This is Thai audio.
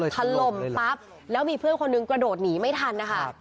ถล่มปั๊บแล้วมีเพื่อนคนหนึ่งกระโดดหนีไม่ทันนะคะ